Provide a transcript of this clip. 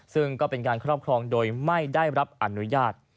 ซึ่งก็เป็นการครอบครองโดยไม่ได้รับอนุญาต